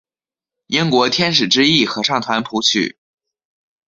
英国天使之翼合唱团谱曲。